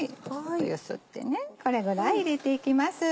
揺すってねこれぐらい入れていきます。